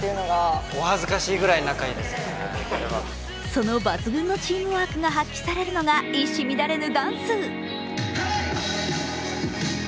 その抜群のチームワークが発揮されるのが一糸乱れぬダンス。